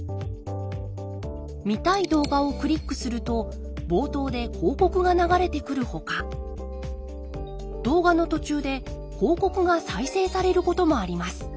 見たい動画をクリックすると冒頭で広告が流れてくるほか動画の途中で広告が再生されることもあります。